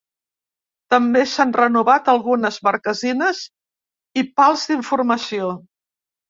També s’han renovat algunes marquesines i pals d’informació.